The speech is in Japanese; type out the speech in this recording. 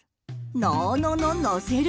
「のーのののせる」。